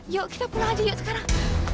yuk kita pulang aja yuk sekarang